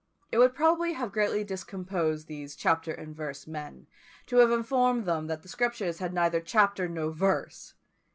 It would probably have greatly discomposed these "chapter and verse" men to have informed them that the Scriptures had neither chapter nor verse!